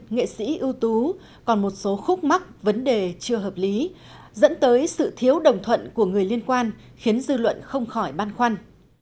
nghệ sĩ ưu tú còn một số khúc mắc vấn đề chưa hợp lý dẫn tới sự thiếu đồng thuận của người liên quan khiến dư luận không khỏi băn khoăn